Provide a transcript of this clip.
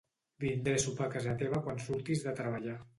Vindré a sopar a casa teva quan surtis de treballar.